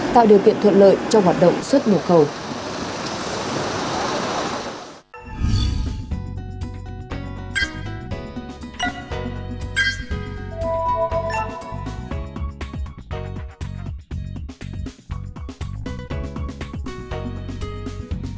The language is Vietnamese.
tạo điều kiện thuận lợi cho hoạt động xuất mục cầu